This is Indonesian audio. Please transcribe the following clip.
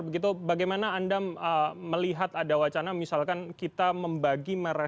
begitu bagaimana anda melihat ada wacana misalkan kita membagi